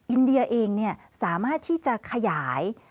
อินเดียเองสามารถที่จะขยาย